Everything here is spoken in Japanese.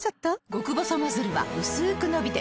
極細ノズルはうすく伸びて